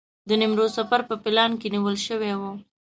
د نیمروز سفر په پلان کې نیول شوی و.